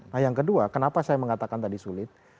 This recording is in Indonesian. nah yang kedua kenapa saya mengatakan tadi sulit